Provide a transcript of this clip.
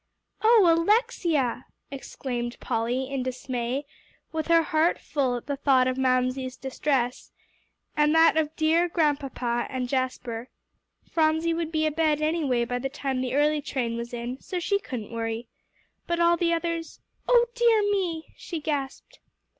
"Oh Alexia!" exclaimed Polly in dismay, with her heart full at the thought of Mamsie's distress, and that of dear Grandpapa and Jasper. Phronsie would be abed anyway by the time the early train was in, so she couldn't worry. But all the others "Oh dear me!" she gasped.